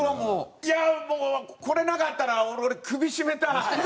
いやもうこれなかったら俺首絞めたい。